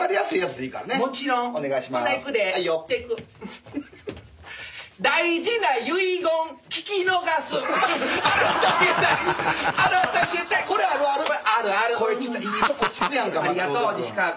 いいとこ突くやんか松本君」